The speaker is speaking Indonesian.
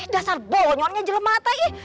dasar bonyonya jelum mata ih